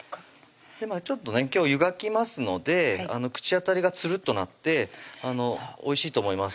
ちょっとね今日は湯がきますので口当たりがツルッとなっておいしいと思います